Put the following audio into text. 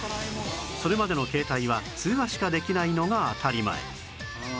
それまでの携帯は通話しかできないのが当たり前